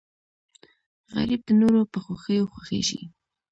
غریب د نورو په خوښیو خوښېږي